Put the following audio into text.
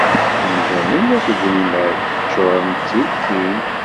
Imdanen akked lmal ččuṛen d tilkin.